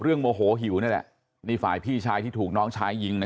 โมโหหิวนี่แหละนี่ฝ่ายพี่ชายที่ถูกน้องชายยิงนะ